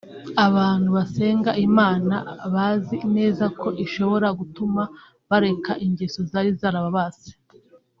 Abantu basenga Imana bazi neza ko ishobora gutuma bareka ingeso zari zarababase